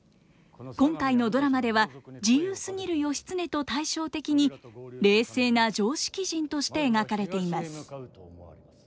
今回のドラマでは自由すぎる義経と対照的に冷静な常識人として描かれています。